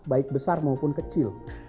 baik besar maupun kecil